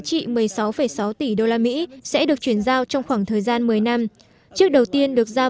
trị một mươi sáu sáu tỷ đô la mỹ sẽ được chuyển giao trong khoảng thời gian một mươi năm chiếc đầu tiên được giao